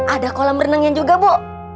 ada kolam renangnya juga bu